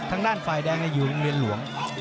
ทางด้านฝ่ายแดงเนี่ยคืออยู่โรงเรียนหลวง